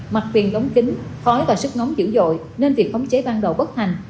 mặt tiền đóng kín khói và sức nóng dữ dội nên việc khống cháy ban đầu bất hành